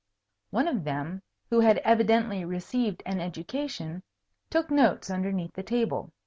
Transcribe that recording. One of them, who had evidently received an education, took notes underneath the table.